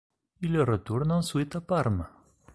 Il retourne ensuite à Parme.